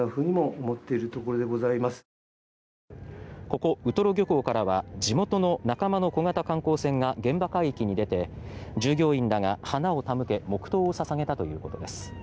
ここ、ウトロ漁港からは地元の仲間の小型観光船が現場海域に出て従業員らが花を手向け黙祷を捧げたということです。